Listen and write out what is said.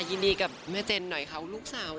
ยินดีกับแม่เจนหน่อยเขาลูกสาว